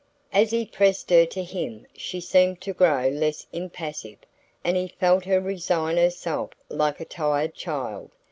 As he pressed her to him she seemed to grow less impassive and he felt her resign herself like a tired child.